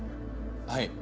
はい。